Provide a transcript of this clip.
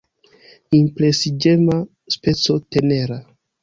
Impresiĝema, speco, tenera.